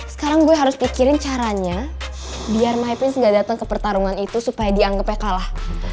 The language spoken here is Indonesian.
sekarang gue harus pikirin caranya biar my pins gak datang ke pertarungan itu supaya dianggapnya kalah